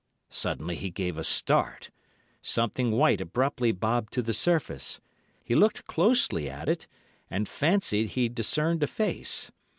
Suddenly he gave a start. Something white abruptly bobbed to the surface. He looked closely at it, and fancied he discerned a face.